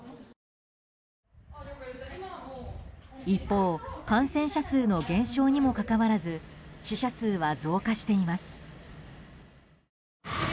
一方感染者数の減少にもかかわらず死者数は増加しています。